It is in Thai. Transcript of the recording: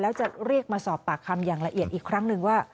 แล้วจะเรียกมาสอบปากคำอย่างละเอียดอีกครั้งหนึ่งว่า